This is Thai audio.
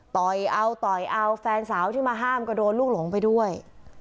ต่อยเอาต่อยเอาแฟนสาวที่มาห้ามก็โดนลูกหลงไปด้วย